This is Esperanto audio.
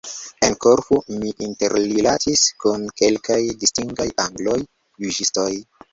En Korfu, mi interrilatis kun kelkaj distingaj Angloj: juĝistoj!